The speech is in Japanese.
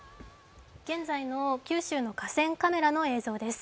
現在の九州の河川カメラの映像です。